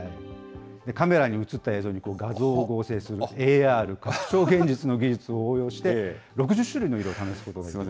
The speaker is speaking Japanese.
カメラに写った映像に画像を合成するＡＲ・拡張現実の技術を応用して、６０種類の色を試すことができます。